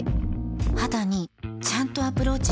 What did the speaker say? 肌にちゃんとアプローチしてる感覚